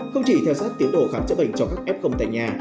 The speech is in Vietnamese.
không chỉ theo dõi tiến đổ khám chữa bệnh cho các f tại nhà